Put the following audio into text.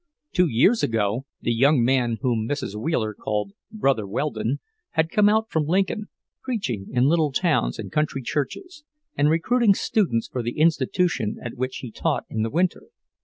Two years ago, the young man whom Mrs. Wheeler called "Brother Weldon" had come out from Lincoln, preaching in little towns and country churches, and recruiting students for the institution at which he taught in the winter.